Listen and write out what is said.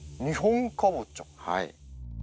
はい。